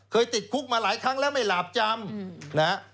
เคยติดคุกมาหลายครั้งแล้วไม่หลับจำ